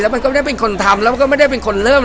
มันก็ไม่ได้เป็นคนทำแล้วมันก็ไม่ได้เป็นคนเริ่ม